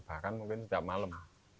bahkan mungkin setiap malam